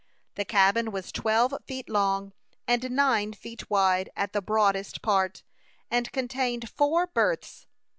The cabin was twelve feet long, and nine feet wide at the broadest part, and contained four berths.